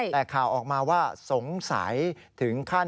แต่ข่าวออกมาว่าสงสัยถึงขั้น